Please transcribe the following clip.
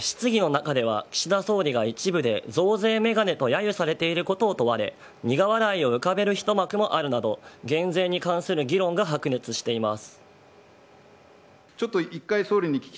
質疑の中では岸田総理が一部で増税メガネと揶揄されていることを問われ苦笑いを浮かべるひと幕もあるなど減税に関する議論が白熱しています。